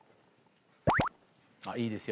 あっいいですよ